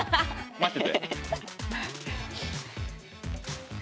待ってて。